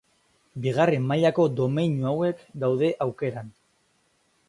Bigarren mailako domeinu hauek daude aukeran.